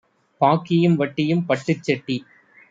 பாக்கியும் வட்டியும் பட்டுச் செட்டி